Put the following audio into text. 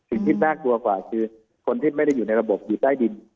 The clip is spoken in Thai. สิ่งที่น่ากลัวกว่าคือคนที่ไม่ได้อยู่ในระบบอยู่ใต้ดิน